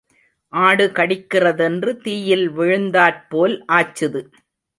ஆடு கடிக்கிறதென்று தீயில் விழுந்தாற் போல் ஆச்சுது.